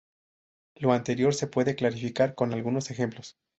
Lo anterior se puede clarificar con algunos ejemplos.